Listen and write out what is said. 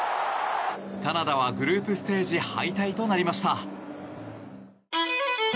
カナダはグループステージ敗退となりました。